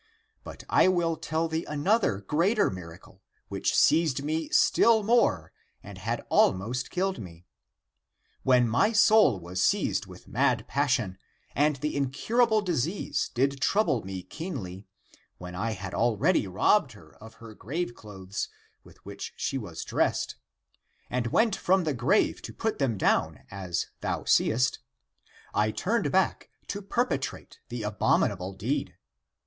But I will tell thee another greater miracle, which seized me still more and had ACTS OF JOHN 169 almost killed me. When my soul was seized with mad passion and the incurable disease did trouble me keenly, when I had already robbed her of her graveclothes with which she was dressed, and went from the grave to put them down as thou seest, I turned back to perpetrate the abominable deed.